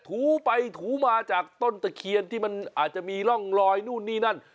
ถูไปถูมาจากต้นตะเคียนที่มันอาจจะมีร่องรอยนู่นนี่นั่น